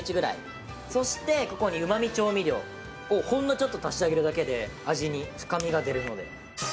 そしてここにうま味調味料をほんのちょっと足してあげるだけで味に深みが出るので。